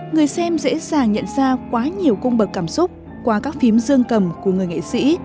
người xem dễ dàng nhận ra quá nhiều cung bậc cảm xúc qua các phim dương cầm của người nghệ sĩ